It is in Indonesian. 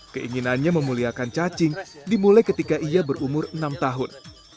keinginannya memuliakan cacing dimulai ketika ia berumur enam tahun